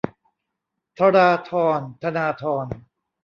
ธราธร ธนาธร